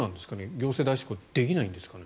行政代執行できないんですかね。